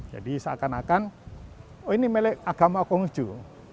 jadi seakan akan oh ini melek agama konghuju